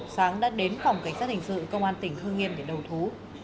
sáng đã đến phòng cảnh sát hình sự công an tỉnh hương yên để đầu thú